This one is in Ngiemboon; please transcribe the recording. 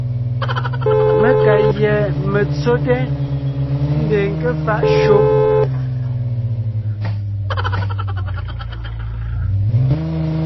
Mé ka gÿá metsóte, ńdeen ńké faʼ shÿó.